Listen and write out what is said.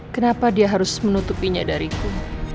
kenapa dia harus menutupinya dariku